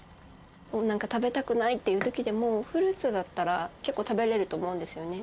もうなんか食べたくないっていう時でもフルーツだったら結構食べれると思うんですよね。